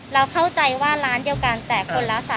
เราเข้าใจว่าร้านเดียวกันแต่คนละ๓๐๐